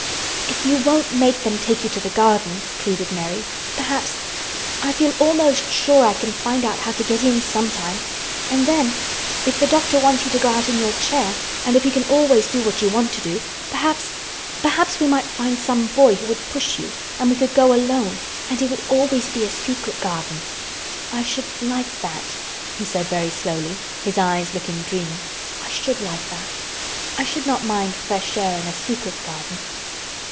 "If you won't make them take you to the garden," pleaded Mary, "perhaps—I feel almost sure I can find out how to get in sometime. And then—if the doctor wants you to go out in your chair, and if you can always do what you want to do, perhaps—perhaps we might find some boy who would push you, and we could go alone and it would always be a secret garden." "I should—like—that," he said very slowly, his eyes looking dreamy. "I should like that. I should not mind fresh air in a secret garden."